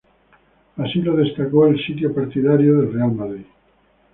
Así lo destacó el sitio partidario del Real Madrid.